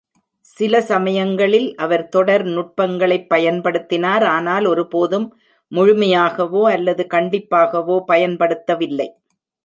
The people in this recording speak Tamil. சில சமயங்களில் அவர் தொடர் நுட்பங்களைப் பயன்படுத்தினார், ஆனால் ஒருபோதும் முழுமையாகவோ அல்லது கண்டிப்பாகவோ பயன்படுத்தவில்லை.